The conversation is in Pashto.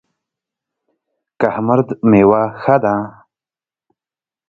کهمرد میوه ښه ده؟